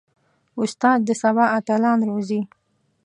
استاد د سبا اتلان روزي.